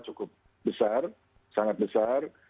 cukup besar sangat besar